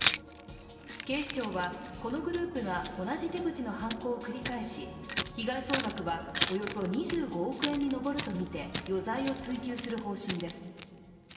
警視庁は、このグループが同じ手口の犯行を繰り返し、被害総額はおよそ２５億円に上るとみて余罪を追及する方針です。